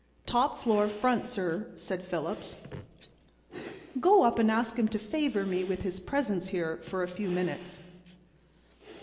"Top floor, front, sir," said Phillips. "Go up and ask him to favor me with his presence here for a few minutes."